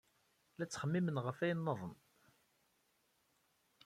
La ttxemmimen ɣef wayen niḍen.